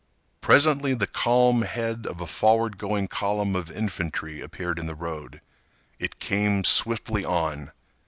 Presently the calm head of a forward going column of infantry appeared in the road. It came swiftly on.